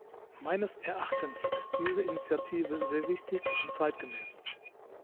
Meines Erachtens ist diese Initiative sehr wichtig und zeitgemäß.